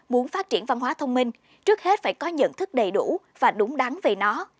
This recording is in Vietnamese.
muốn phát triển văn hóa thông minh trước hết phải có nhận thức đầy đủ và đúng đắn về nó